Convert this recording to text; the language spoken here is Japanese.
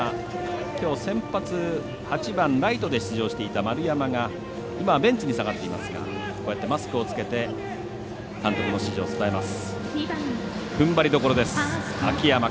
きょう先発、８番、ライトで出場していた丸山が今、ベンチに下がっていますがマスクを着けて監督の指示を伝えます。